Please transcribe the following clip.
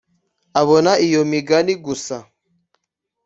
ubona iyo migani , gusa